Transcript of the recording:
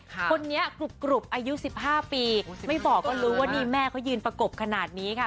คนนี้กรุบอายุ๑๕ปีไม่บอกก็รู้ว่านี่แม่เขายืนประกบขนาดนี้ค่ะ